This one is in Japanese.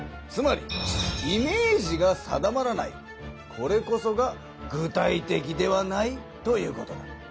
これこそが具体的ではないということだ。